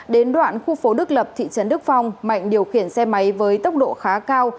đến đoạn khu phố đức lập thị trấn đức phong mạnh điều khiển xe máy với tốc độ khá cao